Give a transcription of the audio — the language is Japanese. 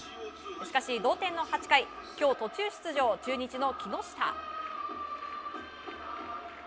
しかし同点の８回今日、途中出場、中日の木下。